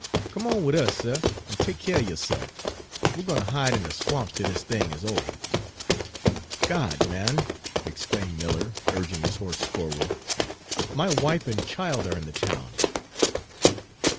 Come on wid us, suh, an' tek keer er yo'se'f. We're gwine ter hide in de swamps till dis thing is over!" "God, man!" exclaimed Miller, urging his horse forward, "my wife and child are in the town!"